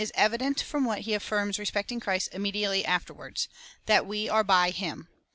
evident from what he affirms respecting Christ immediately afterwards — that we are hy him.